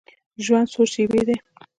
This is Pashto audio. ژوند څو شیبې دی.